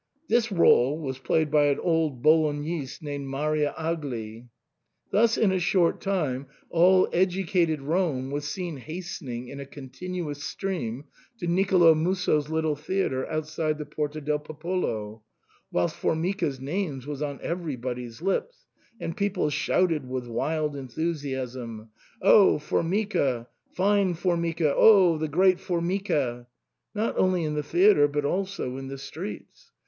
This rdle was played by an old Bolognese named Maria Agli. Thus in a short time all educated Rome was seen hastening in a continuous stream to Nicolo Musso's little theatre outside the Porta del Popolo, whilst Formica's name was on everybody's lips, and people shouted with wild enthusiasm, ^^ Oh! For mica ! Formica benedetto ! Oh ! Formicissimo !"— not only in the theatre but also in the streets.